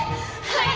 はい！